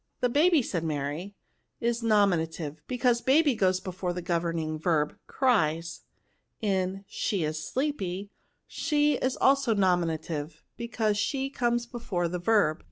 •"* The 6a6y,'" said Mary, '* is nomi native, because baby goes before the go verning verb, * cries* In * she is sleepy,* she is also nominative, because she comes before the verb.